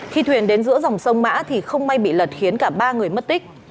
khi thuyền đến giữa dòng sông mã thì không may bị lật khiến cả ba người mất tích